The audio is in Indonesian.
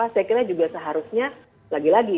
saya kira juga seharusnya lagi lagi